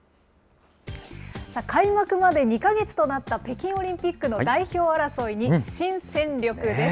さあ、開幕まで２か月となった北京オリンピックの代表争いに、新戦力です。